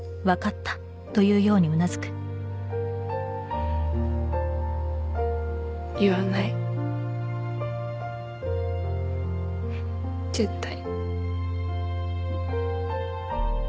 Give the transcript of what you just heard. うん言わない絶対